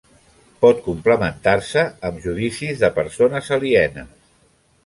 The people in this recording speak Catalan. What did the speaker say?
Pot complementar-se amb judicis de persones alienes.